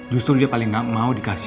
justru dia paling gak mau dikasih